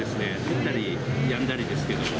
降ったりやんだりですけど。